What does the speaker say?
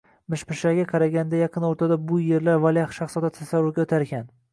Mish-mishlarga qaraganda yaqin o`rtada bu erlar valiahd shaxzoda tasarrufiga o`tarkan